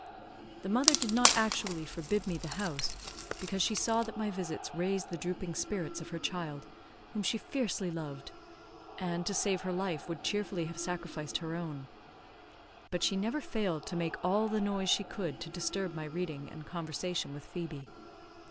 The mother did not actually forbid me the house, because she saw that my visits raised the drooping spirits of her child, whom she fiercely loved, and, to save her life, would cheerfully have sacrificed her own. But she never failed to make all the noise she could to disturb my reading and conversation with Phoebe.